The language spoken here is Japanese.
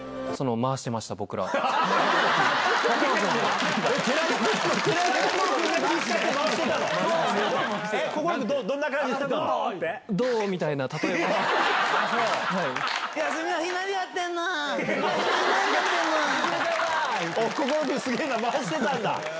回してたんだ。